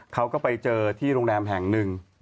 เขาก็ไปเจอที่โรงแรมแห่งหนึ่ง